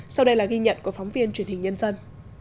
sau đây là ghi nhận của phóng viên truyền hình nhân dân